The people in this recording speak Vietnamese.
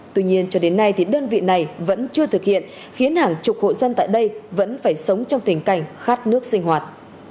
tuy nhiên cho đến nay thì đơn vị này vẫn chưa thực hiện khiến hàng chục hộ dân tại đây vẫn phải sống trong tình cảnh khát nước sinh hoạt